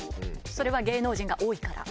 それは芸能人が多いから？